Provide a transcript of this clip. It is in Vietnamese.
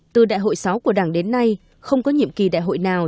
từ đại hội sáu của đảng đến nay không có nhiệm kỳ đại hội nào